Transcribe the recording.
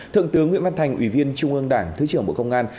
thượng tướng nguyễn văn thành ủy viên trung ương đảng thứ trưởng bộ công an